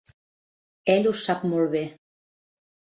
Ell ho sap molt bé.